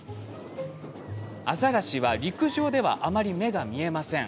アザラシは、陸上ではあまり目が見えません。